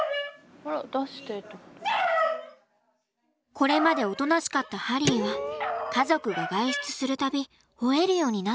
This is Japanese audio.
これまでおとなしかったハリーは家族が外出する度吠えるようになったのです。